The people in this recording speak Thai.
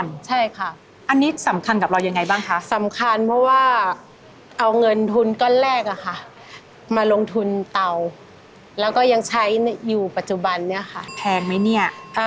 แล้วคุณกล้าดียังไงครับคุณถึงได้เอามาจำนำ